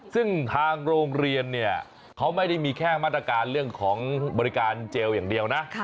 ซึ่งทางโรงเรียนเนี่ยเขาไม่ได้มีแค่มาตรการเรื่องของบริการเจลอย่างเดียวนะ